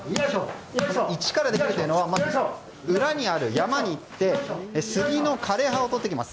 一からできるというのは裏にある山に行ってスギの枯葉を取ってきます。